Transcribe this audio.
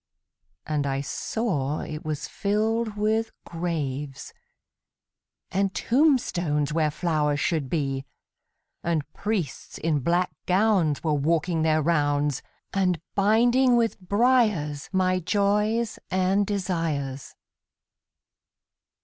And I saw it was filled with graves, And tombstones where flowers should be; And priests in black gowns were walking their rounds, And binding with briars my joys and desires.